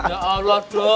ya allah do